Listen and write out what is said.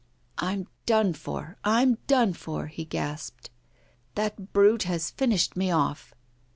'I'm done for, I'm done for,' he gasped. 'That brute has finished me off!